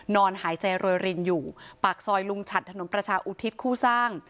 นอนหายใจโรยรินอยู่ปากซอยลุงฉัดถนนประชาอุทิศคู่สร้าง